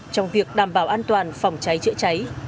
trong việc đảm bảo an toàn phòng cháy chữa cháy